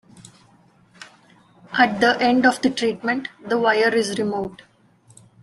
At the end of the treatment the wire is removed.